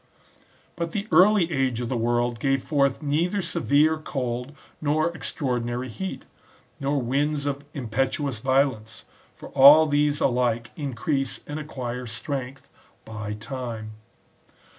But the early age of the world gave forth neither severe cold nor extraordinary heat, nor winds of impetuous violence. For all these alike increase and acquire strength by time.